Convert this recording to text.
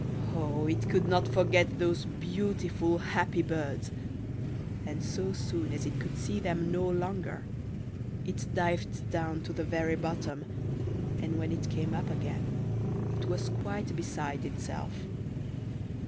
O! it could not forget those beautiful, happy birds; and so soon as it could see them no longer, it dived down to the very bottom, and when it came up again, it was quite beside itself.